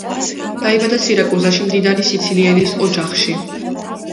დაიბადა სირაკუზაში მდიდარი სიცილიელის ოჯახში.